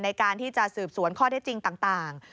ในการที่จะสืบสวนข้อเท็จจริงต่าง